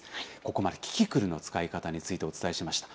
ここまでキキクルの使い方について、お伝えしました。